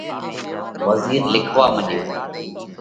وزِير لکوا مڏيو۔